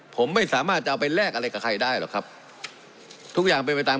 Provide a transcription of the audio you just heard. ผมไม่สามารถจะเอาไปแลกอะไรกับใครได้หรอกครับทุกอย่างเป็นไปตาม